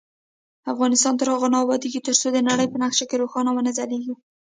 افغانستان تر هغو نه ابادیږي، ترڅو د نړۍ په نقشه کې روښانه ونه ځلیږو.